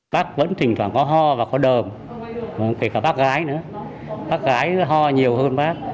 bác vẫn thỉnh thoảng có ho và có đờm kể cả bác gái nữa bác gái ho nhiều hơn bác